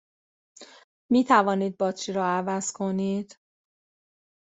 می توانید باتری را عوض کنید؟